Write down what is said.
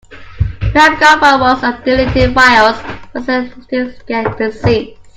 We have recovered most of the deleted files, but some are still being processed.